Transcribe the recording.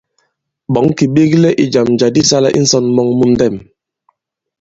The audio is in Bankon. Ɓɔ̌ŋ kì ɓeklɛ ì jàm jǎ di sālā i ǹsɔ̀n mɔŋ mu ndɛ̄m.